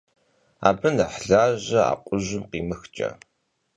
Abı nexh laje akhujım khimıhç'e.